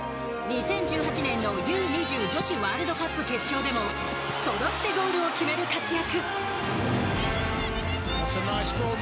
２０１８年のＵ‐２０女子ワールドカップ決勝でもそろってゴールを決める活躍。